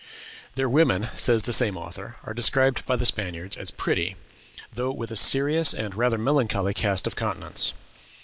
"Their women," says the same author, "are described by the Spaniards as pretty, though with a serious and rather melancholy cast of countenance.